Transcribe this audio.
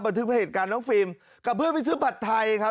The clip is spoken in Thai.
ทึกเหตุการณ์น้องฟิล์มกับเพื่อนไปซื้อผัดไทยครับ